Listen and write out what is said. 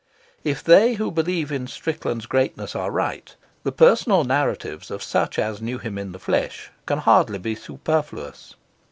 If they who believe in Strickland's greatness are right, the personal narratives of such as knew him in the flesh can hardly be superfluous.